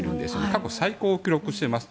過去最高を記録しています。